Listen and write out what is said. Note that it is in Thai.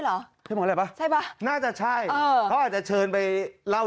หรอใช่ป่ะน่าจะใช่เขาอาจจะเชิญไปเล่า